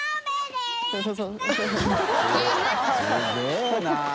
すげぇな。